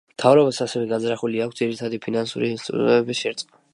მთავრობას ასევე განზრახული აქვს ძირითადი ფინანსური ინსტიტუტების შერწყმა.